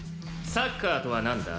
サッカーとはなんだ？